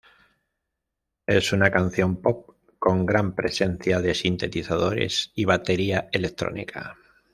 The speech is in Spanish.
Es una canción pop con gran presencia de sintetizadores y batería electrónica.